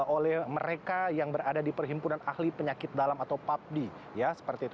oleh mereka yang berada di perhimpunan ahli penyakit dalam atau papdi ya seperti itu